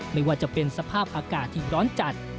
ไม่ว่าจะเป็นสภาพอากาศที่ร้อนจัด